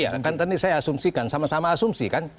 iya kan tadi saya asumsikan sama sama asumsikan